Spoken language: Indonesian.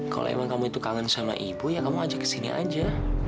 kalau emang kamu itu kangen sama ibu ya kamu ajak kesini aja